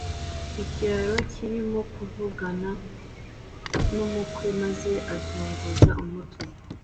Ikiraro kirimo kuvugana n'umukwe maze azunguza umutwe